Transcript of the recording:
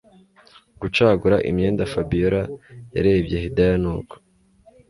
gucagura imyenda Fabiora yarebye Hidaya nuko